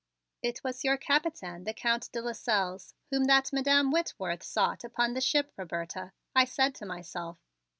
"It was your Capitaine, the Count de Lasselles, whom that Madam Whitworth sought upon the ship, Roberta," I said to myself.